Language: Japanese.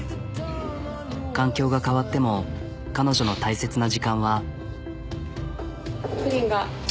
環境が変わっても彼女の大切な時間は。